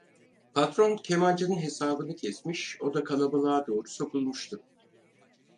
Patron kemancının hesabını kesmiş, o da kalabalığa doğru sokulmuştu.